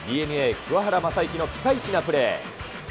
ＤｅＮＡ、桑原将志のピカイチなプレー。